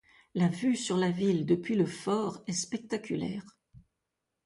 La vue sur la ville depuis le fort est spectaculaire.